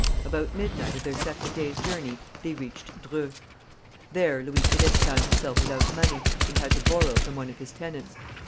About midnight of their second day's journey they reached Dreux. There Louis Philippe found himself without money, and had to borrow from one of his tenants.